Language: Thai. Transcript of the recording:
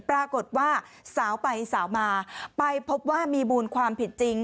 ปรากฏว่าสาวไปสาวมาไปพบว่ามีมูลความผิดจริง